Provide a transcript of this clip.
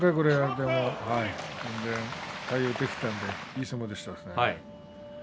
対応ができたのでいい相撲でしたね。